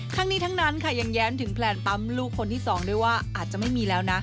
ทั้งนี้ทั้งนั้นค่ะยังแย้มถึงแพลนปั๊มลูกคนที่๒ด้วยว่าอาจจะไม่มีแล้วนะ